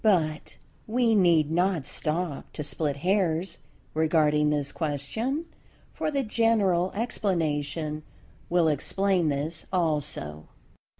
But we need not stop to split hairs regarding this question, for the general explanation will explain this also.